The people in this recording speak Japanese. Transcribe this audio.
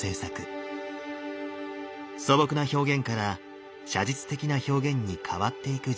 素朴な表現から写実的な表現に変わっていく時代です。